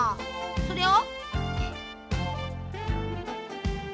それを。